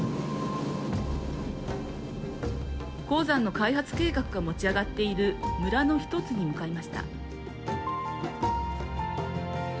鉱山の開発計画が持ち上がっている村の１つに向かいました。